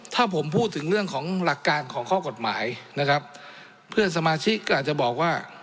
ถ้าผมพูดถึงเรื่องของหลักการของข้อกฎหมายนะครับเพื่อนสมาชิกก็อาจจะบอกว่า